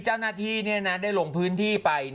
เจ้าหน้าที่เนี่ยนะได้ลงพื้นที่ไป